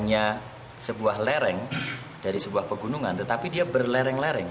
hanya sebuah lereng dari sebuah pegunungan tetapi dia berlereng lereng